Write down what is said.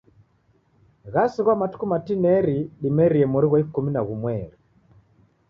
Ghasighwa matuku matineri dimerie mori ghwa ikumi na ghumweri.